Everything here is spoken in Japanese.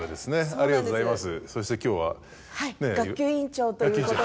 ありがとうございます。